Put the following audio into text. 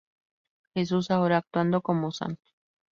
Jesús, ahora actuando como St.